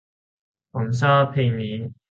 ผมชอบเพจนี้